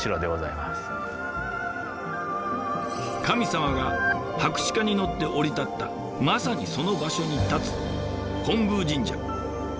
神様が白鹿に乗って降り立ったまさにその場所に立つ本宮神社。